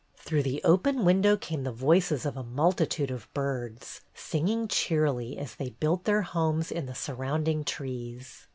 Through the open window came the voices of a multitude of birds, singing cheerily as they built their new homes in the surrounding trees.